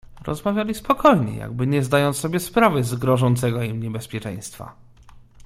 "Rozmawiali spokojnie, jakby nie zdając sobie sprawy z grożącego im niebezpieczeństwa."